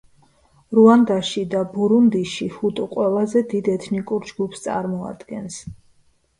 რუანდაში და ბურუნდიში ჰუტუ ყველაზე დიდ ეთნიკურ ჯგუფს წარმოადგენს.